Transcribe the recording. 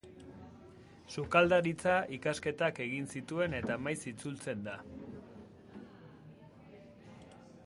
Sukaldaritza ikasketak egin zituen eta maiz itzultzen da.